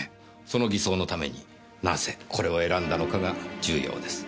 その偽装のためになぜこれを選んだのかが重要です。